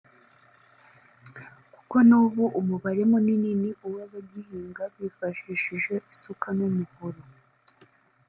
kuko n’ubu umubare munini ni uw’abagihinga bifashishije isuka n’umuhoro